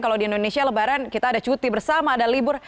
kalau di indonesia lebaran kita ada cuti bersama ada libur